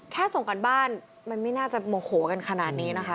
แค่ส่งกันบ้านมันไม่น่าจะโมโหกันขนาดนี้นะคะ